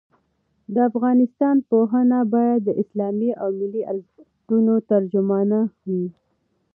د افغانستان پوهنه باید د اسلامي او ملي ارزښتونو ترجمانه وي.